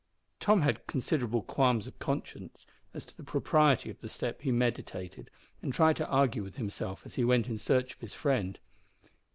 Tom had considerable qualms of conscience as to the propriety of the step he meditated, and tried to argue with himself as he went in search of his friend.